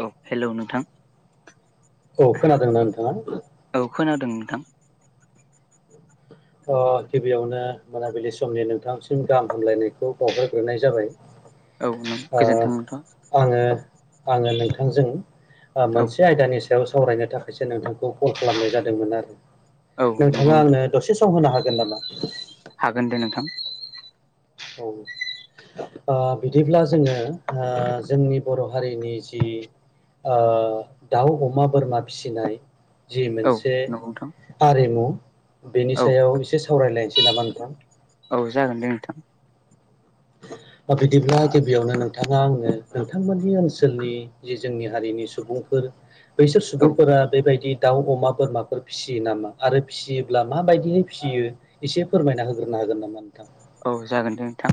औ हेल' नोंथां औ खोनादोंना नोंथाङा [unintelligible] नोंथां ओ गिबियावनो मोनाबिलि समनि नोंथांसिम गाहाम हामलायनायखौ बावहरग्रोनाय जाबाय औ नों ओ गोजोन्थों नोंथां आङो आङो नोंथांजों ओ औ मोनसे आयदानि सायाव सावरायनो थाखायसो नोंथांखौ कल खालामनाय जादोंमोन आरो औ नंगौ नोंथाङा नोंथां आंनो दसे सम होनो हागोन नामा हागोन दे नोंथां औ ओ बिदिब्ला जोङो ओ जोंनि बर' हारिनि जि ओ दाउ अमा बोरमा फिसिनाय जि औ मोनसे नंगौ नोंथां आरिमु बेनि औ सायाव एसे सावरायलायनोसै नामा नोंथां औ जागोन दे नोंथां [unintelligible] बिदिब्ला गिबियावनो नोंथाङा आङो नोंथांमोननि ओनसोलनि जि जोंनि हारिनि सुबुंफोर बैसोर औ सुबुंफोरा बेबायदि दाउ अमा बोरमाफोर फिसियो नामा आरो फिसियोब्ला माबायदिहै फिसियो एसे फोरमायना होग्रोनो हागोन नामा नोंथां औ जागोन दे नोंथां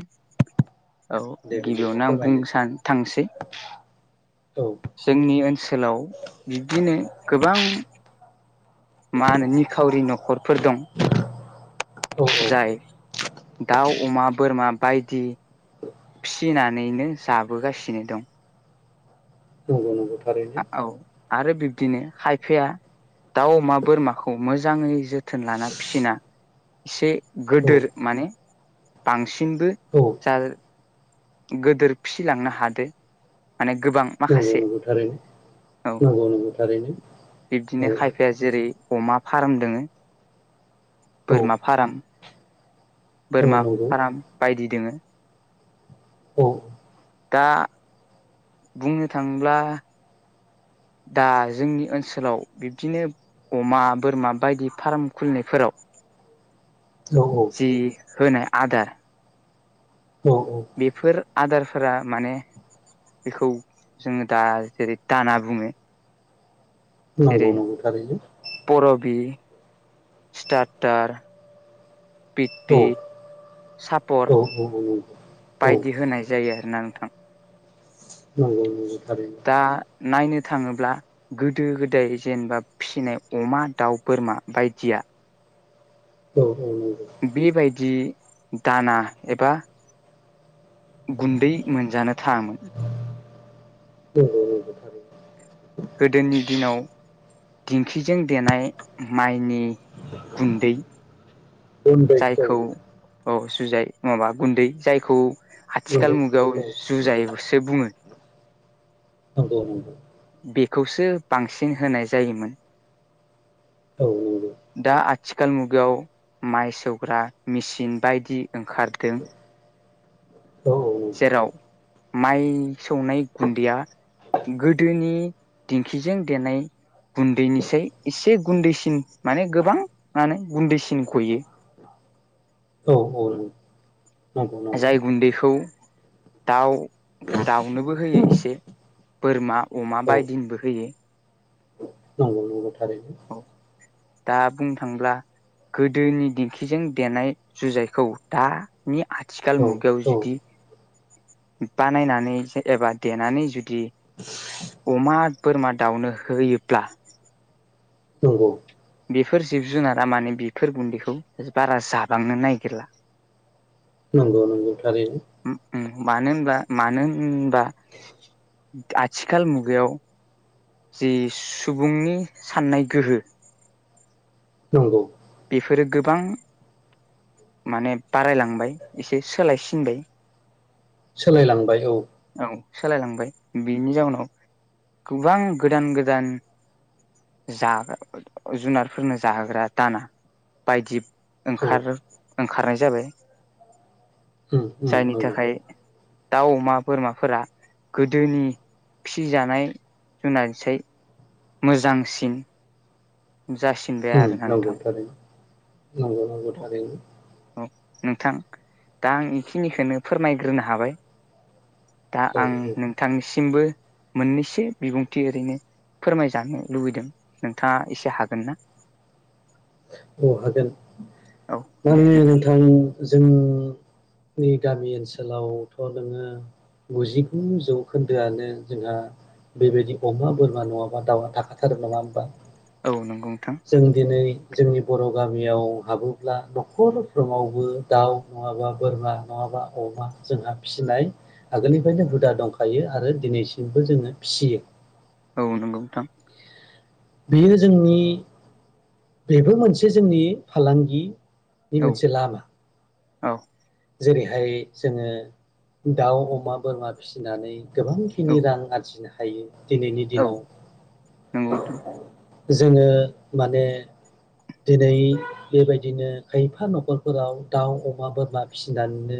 औ दे बिदिब्ला गिबियावनो आं बुंनो फोरमायनोसै सा थांसै औ जोंनि ओनसोलाव बिब्दिनो गोबां मा होनो निखावरि न'खरफोर दं औ जाय दाउ अमा बोरमा बायदि फिनानैनो जाबोगासिनो दं नंगौ नंगौ थारैनो औ आरो बिब्दिनो खायफाया दाउ अमा बोरमाखौ मोजाङै जोथोन लाना फिसिना एसे औ गोदोर माने बांसिनबो औ जा गोदोर फिसिलांनो हादो माने गोबां नंगौ माखासे नंगौ थारैनो औ नंगौ नंगौ थारैनो औ बिब्दिनो खायफाया जेरै अमा फार्म दोङो औ बोरमा फार्म बोरमा नंगौ फार्म बायदि दोङो औ दा बुंनो थाङोब्ला दा जोंनि ओनसोलाव बिब्दिनो अमा बोरमा बायदि फार्म खुलिनायफोराव औ औ जि होनाय आदार औ औ बेफोर आदारफोरा माने बेखौ जोङो दा जेरै दाना बुङो नंगौ जेरै नंगौ थारैनो स्टारटार पिट पि औ सापर औ नंगौ औ बायदि होनाय जायो आरोना नोंथां औ औ नंगौ नंगौ थारैनो दा नायनो थाङोब्ला गोदो गोदाय जेनेबा फिसिनाय अमा दाउ बोरमा बायदिया औ बेबायदि दाना एबा गुन्दै मोनजानो थाङामोन नंगौ नंगौ गोदोनि दिनाव दिंख्रिजों देनाय माइनि गुन्दै गुन्दैखौ जायखौ औ जुजाय माबा गुन्दै जायखौ आथिखाल मुगायाव गुन्दैखौ जुजायसो बुङो नंगौ' नंगौ खौसो बांसिन होनाय जायोमोन। औ नोंगौ दा आथिखाल मुगायाव माइ सौग्रा मेसिन बायदि ओंखारदों। जेराव औ माइ सौनाय गुन्दैया गोदोनि दिंखिजों देनाय गुन्दैनिसाय एसे गुन्दैसिन माने गोबां मानो गुन्दैसिन गयो औ नंगौ जाय गुन्दैखौ दाउ दाउनोबो होयो एसे बोरमा अमा औ बायदिनिबो होयो। औ [inaudible] दा बुंनो थांब्ला गोदोनि दिेंखिजों देनाय जुजाइखौ दानि औ आथिखाल मुगायाव जुदि [inaudible] बानायनानै एबा देनानै जुदि अमा बोरमा दाउनो होयोब्ला नंगौ बेफोर जिब जुनारा माने बेफोर गुन्दैखौ बारा जाबांनो नागिरला नंगौ नंगौ थारैनो मानो होनबा मानो होनबा आथिखाल मुगायाव जि सुबुंनि साननाय गोहो नंगौ बेफोरो गोबां माने बारायलांबाय एसे सोलायसिनबाय सोलायलांबाय औ औ सोलायलांबाय बेनि जाउनाव गोबां गोदान गोदान जाग्रा जुनारफोरनो जाहोग्रा दाना बायदि औ ओंखार ओंखारनाय जाबाय जायनि औ थाखाय दाउ अमा बोरमाफोरा गोदोनि फिजानाय जुनारसै मोजांसिन जासिदाया आरो नोंगौ नोंथां थारैनो नंगौ नंगौ थारैनो औ नोंथां दा आं बेखिनिखौनो फोरमायग्रोनो हाबाय दा औ आं औ नोंथांनिसिमबो मोननैसो बिबुंथि ओरैनो फोरमायजानो लुबैदों नोंथांङा एसे हागोन ना औ। औ हागोन दे नोंथां जों नि गामि ओनसोलावथ' नोंङो गुजिगु जौखोन्दोआनो जोंहा बेबायदि अमा बोरमा नंङा बा दाउया थाखाथारो नंङा होमबा। औ नंगौ नोंथां। जों दिनै जोंनि बर' गामियाव हाबोब्ला न'खरफ्रङावबो दाउ नंङाबा बोरमा नङाबा बा अमा जोंहा फिसिनाय आगोलनिफ्रायनो हुदा दंखायो आरो दिनैसिमबो जोंङो फिसि यो औ नंगौ नोंथां बेयो जोंनि बेबो मोनसे जोंनि फालांगि बे औ मोनसे लाम औ जेरैहाय जोंङो दाउ अमा बोरमा फिसिनानै गोबांखिनि औ रां आरजिनो हायो दिनैनि औ दिनाव नंगौ नोंथां जोंङो माने दिनै बेबायदिनो खायफा न'खरफोराव दाउ अमा बोरमा फिसिनानैनो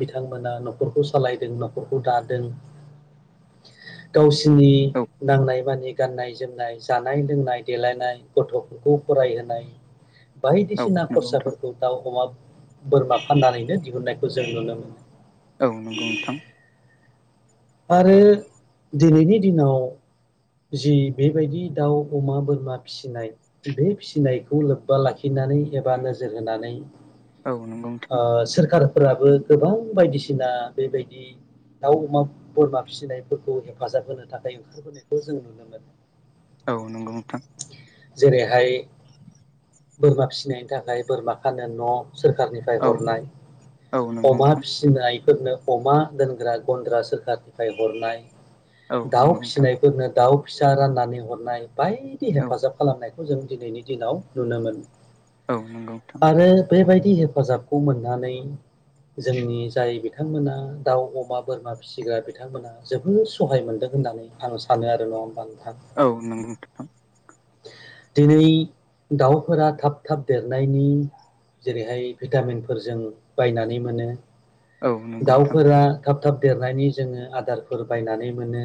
बिथांमोना न'खरखौ सालायदों न'खरखौ दादों गावसि नि औ नांनाय मानि गाननाय जोमनाय जानाय लोंनाय देलायनाय गथ'खौ फरायहोनाय औ बायदिसिना नंगौ नोंथां खरसाफोरखौ दाउ अमा बोरमा फाननानैनो दिहुननायखौ जों नुनो मोनो औ नंगौ नोंथां आरो दिनैनि दिनाव जि बेबायदि दाउ अमा बोरमा फिसिनाय बे फिसिनायखौ लोब्बा लाखि नानै एबा नोजोर होनानै औ नंगौ नोंथां फोराबो गोबां बायदिसिना बेबायदि दाउ अमा बोरमा फिसिनायफोरखौ हेफाजाब होनो थाखाय ओंखारबोनायखौ जों नुनो मोनो औ नंगौ नोंथां जेरैहाय बोरमा फिसिनायनि थाखाय बोरमा खानो न' सोरखारनिफ्राय औ हरनाय औ नंगौ अमा नोंथां फिसिनाय फोरनो अमा दोनग्रा गन्द्रा सोरखारनिफ्राय हरनाय औ दाउ नंगौ नोंथां फिसिनायफोरनो दाउ फिसा राननानै हरनाय बायदि औ हेफाजाब खालामनाय खौ जों दिनैनि दिनाव नुनो मोनो औ नंगौ नोंथां थां आरो बेबायदि हेफाजाबखौ मोननानै जोंनि जाय बिथांमोना दाउ अमा बोरमा फिसिग्रा बिथांमोना जोबोद सहाय मोनदों होननानै आं सानो आरो नंङा होमबा आं औ नंगौ नोंथां दिनै दाउफोरा थाब थाब देरनायनि जेरैहाय भिटामिनफोर जों बायनानै मोनो औ नंगौ नोंथां दाउफोरा थाब थाब देरनायनि जोंङो आदारफोर बायनानै मोनो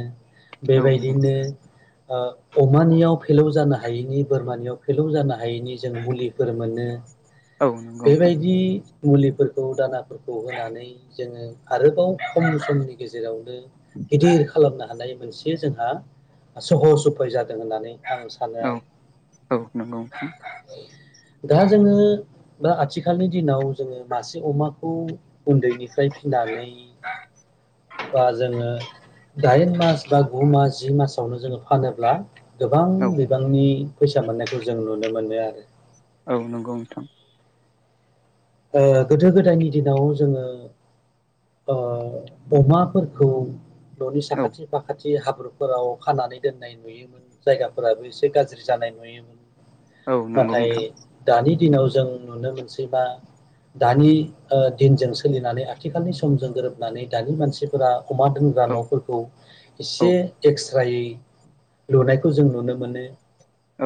औ नंगौ बेबायदिनो ओ अमानियाव फेलौ जानो हायैनि बोरमानियाव फेलौ जानो हायैनि जों मुलिफोर मोनो औ नंगौ नोंथां बेबायदि मुलिफोरखौ दानाफोरखौ होनानै जोंङो आरोबाव खम समनि गेजेरावनो गिदिर खालामनो हानाय मोनसे जोंहा सहस उफाय जादों होननानै आं सानो औ आरो औ नंगौ नोंथां दा जोंङो बा आथिखालनि दिनाव जोङो मासे अमाखौ बाय फिनानै बा जोङो दाइन मास बा गु मास जि मासावनो जोङो फानोब्ला गोबां औ बिबांनि फैसा मोननायखौ जों नुनो मोनो आरो औ नंगौ नोंथां ओ गोदो गोदायनि दिनाव जोङो ओ अमाफोरखौ न'नि औ साखाथि फाखाथि ए हाब्रुफोराव खानानै दोननाय नुयोमोन जायगाफोराबो एसे गाज्रि जानाय नुयोमोन औ नंगौ नाथाय नोंथां दानि दिनाव जों नुनो मोनसैबा दानि ओ दिनजों सोलिनानै आथिखालनि समजों गोरोबनानै दानि मानसिफोरा अमा दोनग्रा औ न'फोरखौ औ एसे ए्क्स रायै लुनायखौ जों नुनो मोनो।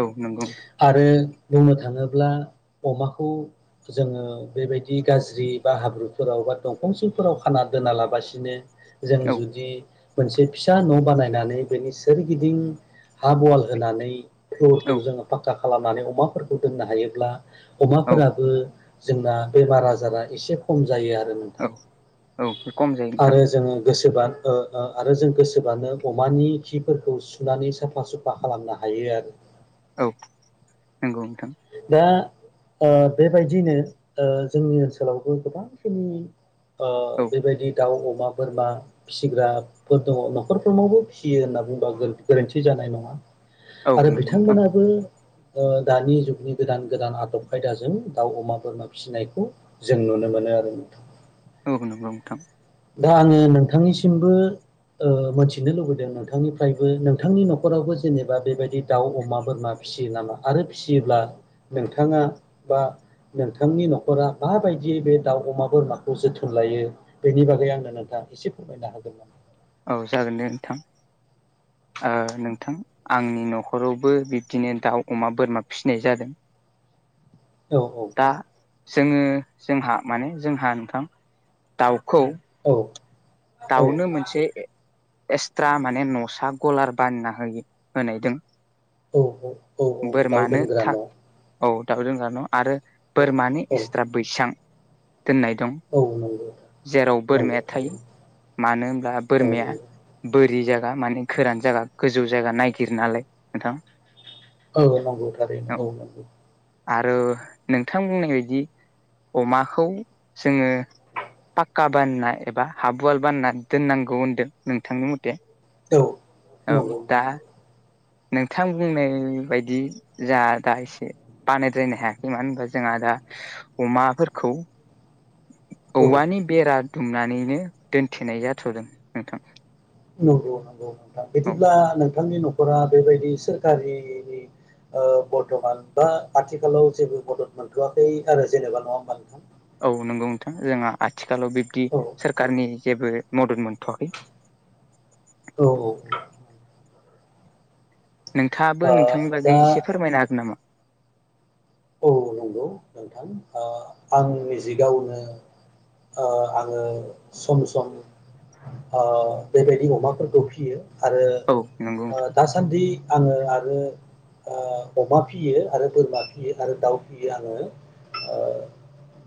औ नंगौ आरो बुंनो थाङोब्ला अमाखौ जोङो बेबायदि गाज्रि बा हाब्रु फोराव बा दंफां सिंफोराव खाना दोना लाबासिनो जों औ जुदि मोनसे फिसा न' बानायनानै बेनि सोरगिदिं हाब वाल होनानै फ्लरखौ औ जोङो फाक्का खालामनानै अमाफोरखौ दोननो हायोब्ला औ अमाफोराबो जोंना बेमार आजारा एसे खम जायो आ औ औ खम जायो नोंथां आरो जोङो गोसोबा नो ओ आरो जों गोसोबानो अमानि खिफोरखौ सुनानै साफा सुफा खालामनो हायो आरो। औ नंगौ नोंथां। दा ओ बेबायदिनो ओ जोंनि ओनसोलावबो गोबांखिनि ओ औ बेबायदि दाउ अ मा बोरमा फिसिग्राफोर दङ न'खरफोरनावबो फिसियो होनना बुंबा गोरोन्थि जानाय नङा। औ आरो नंगौ नोंथां बिथांमोनाबो ओ दानि जुगनि गोदान गोदान आदब खायदाजों दाउ अमा बोरमा फिसिनायखौ जों नुनो मोनो आरो औ नंगौ नोंथां दा आङो नोंथांनिसिमबो ओ मोनथिनो लुबैदों नोंथांनिफ्रायबो नोंथांनि न'खरावबो जेनेबा बेबायदि दाउ अमा बोरमा फिसियो नामा आरो फिसियोब्ला नोंथाङा बा नोंथांनि न'खरा माबायदियै बे दाउ अमा बोरमाखौ जोथो लायो बेनि बागै आंनो नोंथाङा एसे फोरमायनो हागोन नामा? औ जागोन दे नोंथां ओ नोंथां आंनि न'खरावबो बिब्दिनो दाउ अमा बोरमा फिसिनाय जादों। [inaudible] औ औ दा जोङो जोंहा माने जोंहा नोंथां दाउ खौ औ दाउनो मोनसे एक्सट्रा माने न'सा कलार बानायना होयो होनाय दों औ औ दाउ बोरमानो दोनग्रा थाब न' औ औ दाउ दोनग्रा न' आरो बोरमानि औ एक्सट्रा बैसां दोननाय दं औ नंगौ जेराव नंगौ बोरमाया थायो थारैनो मानो होनब्ला औ बोरमाया बोरि जा गा माने गोरान जायगा गोजौ जायगा नायागिर नालाय नोंथां। औ नंगौ थारैनो औ नंगौ आरो नोंथां बुंनाय बायदि अमाखौ जोङो पाक्का बानायना एबा हाब वाल बानना दोननांगौ होनदों नोंथांनि मथे औ औ नंगौ दा नंगौ नोंथां बुंनाय बायदि जा दा एसे बानायद्रायनो हायाखै मानो होनबा जोंहा दा अमाफोरखौ [inaudible] औ औवानि बेरा दुमनानैनो दोनथेनाय जाथदों नोंथां। नंगौ नंगौ नोंथां औ बिदिब्ला नोंथांनि नखरा बेबायदि सोरखारिनि ओ बर्थमान बा आथिखालाव जेबो मदद मोनथआाखै आरो जेनेबा नङा होमबा नोंथां औ नंगौ नोंथां जोंहा आथिखालाव बिब्दि औ सोरखारनि जेबो मदद मोनथवाखै औ ओ नोंथाङाबो नोंथांनि बागै दा एसे फोरमायनो हागोन नामा? औ नंगौ नोंथां आ आं निजि गाववनो आ आङो सम-सम। आ बेबायदि अमाफोरखौ फियो। आरो औ नंगौ नोंथां दासान्दि आङो आरो। आ अमा फियो आरो बोरमा फियो आरो दाउ फियो आङो।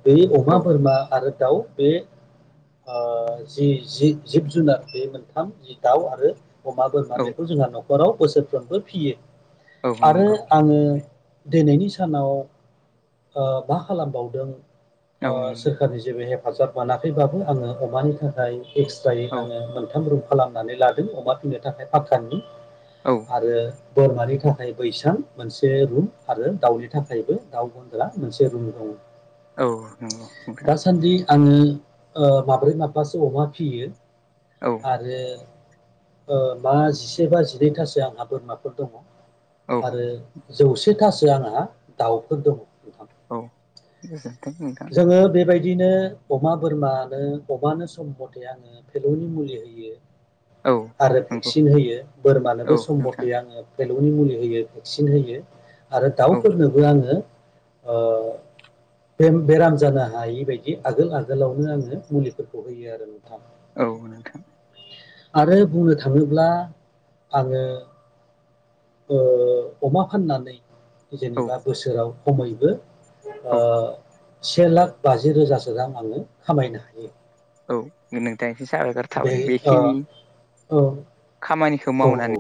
बे अमा, औ बोरमा आरो दाउ बे। आ जि-जि जिब-जुनार बे मोनथाम दाउ आरो। अमा, बोरमा औ बेखौ जोंहा न'खराव बोसोरफ्रोमबो फियो औ आरो नंगौ आङो। दिनैनि सानाव आ मा खालामबावदों। औ आ नंगौ सोरखारनि जेबो हेफाजाब मोनाखैबाबो आङो अमानि थाखाय। एक्स्रायै औ आङो मोनथाम रुम खालामनानै लादों अमा फिनो थाखाय फाक्कानि। औ आरो बोरमानि थाखाय बैसां मोनसे रुम आरो दाावनि। थाखायबो दाउ गन्द्रा मोनसे रुम दं औ नंगौ नोंथां दासान्दि आङो। ओ माब्रै माब्बासो अमा फियो औ आरो। ओ मा जिसे बा जिनैथासो आंहा बोरमाफोर दङ औ आरो। जौसेथासो आंहा दाउफोर दङ। औ [unintelligible] जोङो बेबायदि। दिनो अमा बोरमानो अमानो सम मथे आङो फेलौनि मुलि होयो। औ आरो नंगौ भेक्सिन होयो बोरमानोबो औ सम नोंथां मथे आङो भे। मुलि होयो भेक्सिन होयो आरो औ दाउफोरनोबो आङो। ओ। बे-बेराम जानो हायि बायदि आगोल आगोलावनो आङो मुलिफोरखौ होयो आरो नोंथां। औ नोंथां। आरो बुंनो थाङोब्ला आङो। ओ अमा फाननानै औ जेनेबा बोसोराव खमैबो। आ औ से लाख बाजि रोजासो रां आङो खामायनो हायो। औ नोंथांनिसिम साबायखर बे थाबाय ओ बेखिनि औ खामानि। खौ औ औ मावनानै।